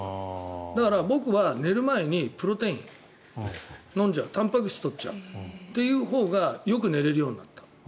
だから、僕は寝る前にプロテイン飲んじゃうたんぱく質を取っちゃうというほうがよく寝れるようになった。